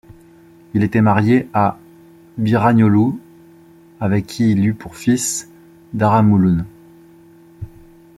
Il était marié à Birrahgnooloo, avec qui il eut pour fils Daramulum.